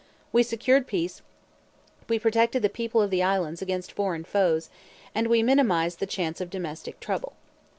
We secured peace, we protected the people of the islands against foreign foes, and we minimized the chance of domestic trouble.